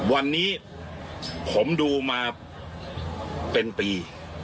วันนี้ผมดูมาเป็นปี